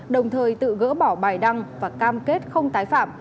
đồng thời tự gỡ bỏ bài đăng và cam kết không tái phạm